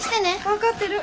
分かってる。